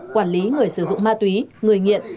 quản lý người sử dụng ma túy người nghiện